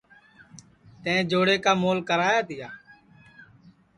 تیں جوڑے کا مول کرایا تیا